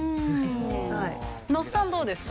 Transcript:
那須さんどうですか？